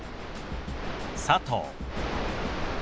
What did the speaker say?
「佐藤」。